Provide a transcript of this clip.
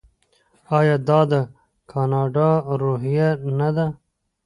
آیا دا د کاناډا روحیه نه ده؟